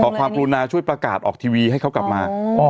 ความกรุณาช่วยประกาศออกทีวีให้เขากลับมา